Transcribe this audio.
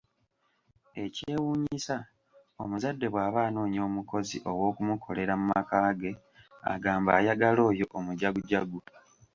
Ekyewuunyisa, omuzadde bwaba anoonya omukozi ow'okumukolera mu maka ge agamba ayagala oyo omujagujagu